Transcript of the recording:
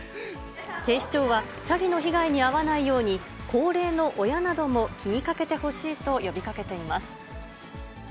警視庁は、詐欺の被害に遭わないように、高齢の親なども気にかけてほしいと呼びかけています。